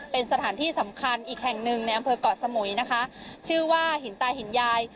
เป็นสถานที่สำคัญอีกแห่งหนึ่งในอำเภอกเกาะสมุยนะคะชื่อว่าหินตาหินยาย